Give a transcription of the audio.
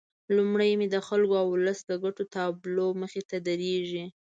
لومړی مې د خلکو او ولس د ګټو تابلو مخې ته درېږي.